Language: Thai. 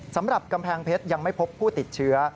สำหรับกำแพงเพชรยังไม่พบผู้ติดเชื้อ